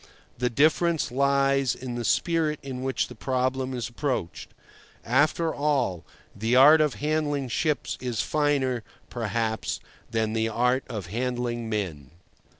The difference lies in the spirit in which the problem is approached. After all, the art of handling ships is finer, perhaps, than the art of handling men.